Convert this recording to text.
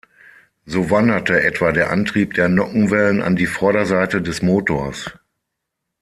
So wanderte etwa der Antrieb der Nockenwellen an die Vorderseite des Motors.